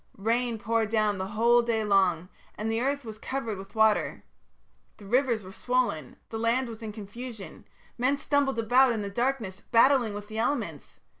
Rain poured down the whole day long, and the earth was covered with water; the rivers were swollen; the land was in confusion; men stumbled about in the darkness, battling with the elements.